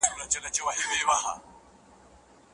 زه اوس د سبا لپاره د تمرينونو ترسره کول کوم.